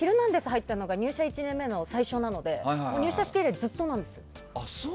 入ったのが入社１年目の最初なので入社以来ずっとなんです。